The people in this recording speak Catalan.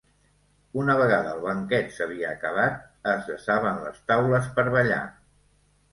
Una vegada el banquet s'havia acabat, es desaven les taules per ballar.